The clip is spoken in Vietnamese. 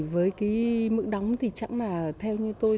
với bức đóng thì chẳng là theo như tôi